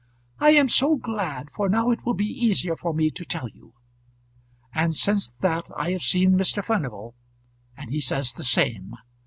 "I am so glad, for now it will be easier for me to tell you. And since that I have seen Mr. Furnival, and he says the same.